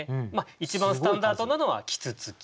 一番スタンダードなのは「木突」。